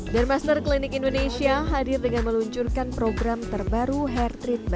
dermaster klinik indonesia hadir dengan meluncurkan program terbaru hair treatment yakni hydra facial keravive